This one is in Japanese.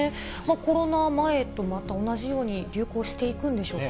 コロナ前とまた同じように流行していくんでしょうか。